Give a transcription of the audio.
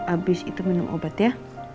abis itu minum obat ya